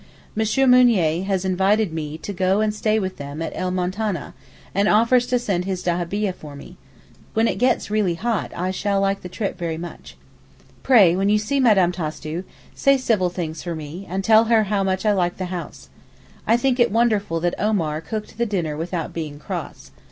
M. Mounier has invited me to go and stay with them at El Moutaneh, and offers to send his dahabieh for me. When it gets really hot I shall like the trip very much. Pray, when you see Mme. Tastu, say civil things for me, and tell her how much I like the house. I think it wonderful that Omar cooked the dinner without being cross.